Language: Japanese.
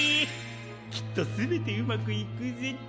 きっとすべてうまくいくぜ！